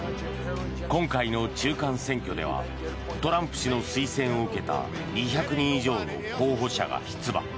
今回の中間選挙ではトランプ氏の推薦を受けた２００人以上の候補者が出馬。